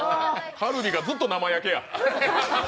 カルビがずっと生焼けや！